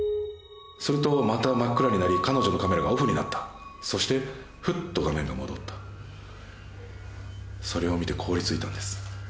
するとまた真っ暗になり彼女のカメラがオフになったそしてふっと画面が戻ったそれを見て凍りついたんです